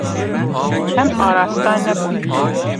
Em araste nebûn.